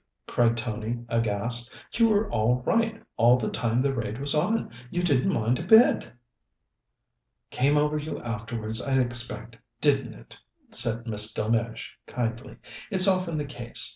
cried Tony, aghast. "You were all right all the time the raid was on. You didn't mind a bit!" "Came over you afterwards, I expect, didn't it?" said Miss Delmege kindly. "It's often the case.